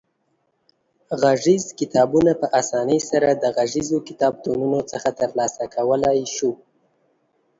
غږیز کتابونه په اسانۍ سره د غږیزو کتابتونونو څخه ترلاسه کولای شو.